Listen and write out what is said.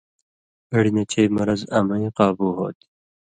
اڑیۡ نہ چئ مرض امَیں قابُو ہو تھی۔